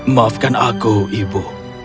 maafkan aku ibu